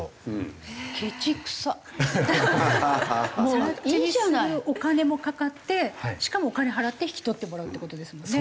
更地にするお金もかかってしかもお金払って引き取ってもらうっていう事ですもんね。